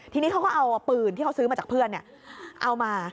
ทีนี้เขาก็เอาปืนที่เขาซื้อมาจากเพื่อนเอามา